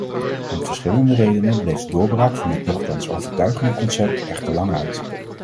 Om verschillende redenen bleef de doorbraak van dit nochtans overtuigende concept echter lang uit.